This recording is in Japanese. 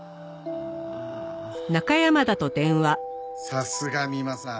さすが三馬さん。